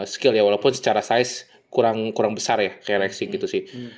skill ya walaupun secara size kurang besar ya kayak lexing gitu sih